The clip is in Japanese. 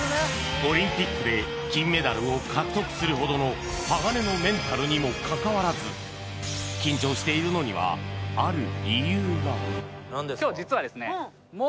オリンピックで金メダルを獲得するほどのにもかかわらず緊張しているのにはある理由が今日実はですね